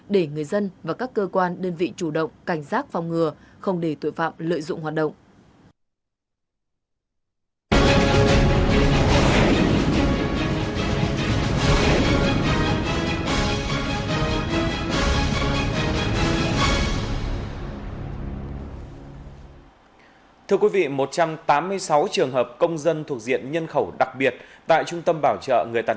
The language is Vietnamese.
để người dân và các cơ quan đơn vị chủ động cảnh sát phòng ngừa không để tội phạm lợi dụng hoạt động